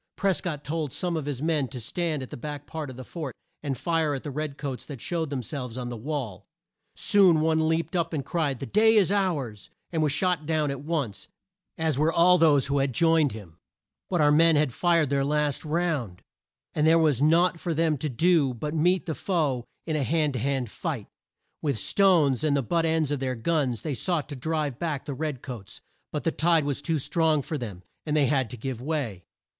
Pres cott told some of his men to stand at the back part of the fort and fire at the red coats that showed them selves on the wall. Soon one leaped up and cried out "The day is ours!" and was shot down at once, as were all those who had joined him. [Illustration: WASHINGTON CHOSEN FOR COMMANDER IN CHIEF P. 62.] But our men had fired their last round, and there was nought for them to do but to meet the foe in a hand to hand fight. With stones and the butt ends of their guns they sought to drive back the red coats, but the tide was too strong for them, and they had to give way.